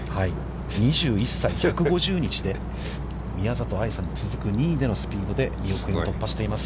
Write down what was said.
２１歳、１５０日で、宮里藍さんに続く２位でのスピードで２億円を突破しています。